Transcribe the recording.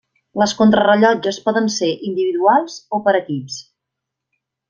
Les contrarellotges poden ser individuals o per equips.